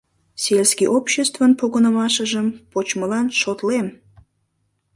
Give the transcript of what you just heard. — Сельский обществын погынымашыжым почмылан шотлем!